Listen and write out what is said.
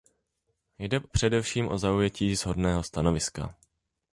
Jde především o zaujetí shodného stanoviska.